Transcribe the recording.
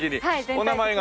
お名前が？